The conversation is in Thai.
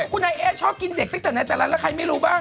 คุณไอ้ชอบกินเด็กตั้งแต่นายตลัดแล้วใครไม่รู้บ้าง